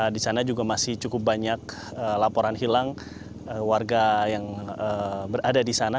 di sana juga masih cukup banyak laporan hilang warga yang berada di sana